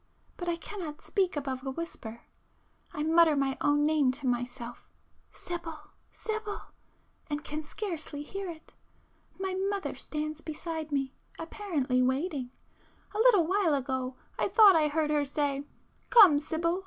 But I cannot speak above a whisper,—I mutter my own name to myself 'Sibyl! Sibyl!' and can scarcely hear it. My mother stands beside me,—apparently waiting;—a little while ago I thought I heard her say 'Come, Sibyl!